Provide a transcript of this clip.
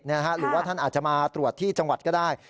หรือว่าท่านอาจจะมาตรวจที่จังหวัดก็ได้